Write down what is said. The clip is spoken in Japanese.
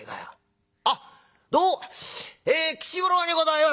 あっどうもえ吉五郎にございます」。